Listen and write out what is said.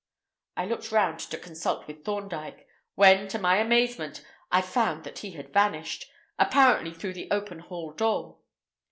I looked round to consult with Thorndyke, when, to my amazement, I found that he had vanished—apparently through the open hall door.